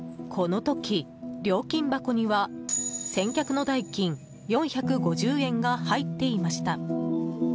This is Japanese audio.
この時、料金箱には、先客の代金４５０円が入っていました。